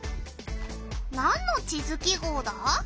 なんの地図記号だ？